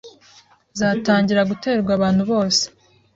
zatangira guterwa abantu bose